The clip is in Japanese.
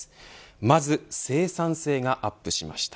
まず生産性がアップしました。